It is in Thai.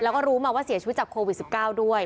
แล้วก็รู้มาว่าเสียชีวิตจากโควิด๑๙ด้วย